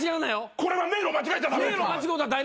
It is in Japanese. これは迷路間違えちゃ駄目。